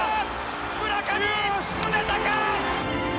村上宗隆！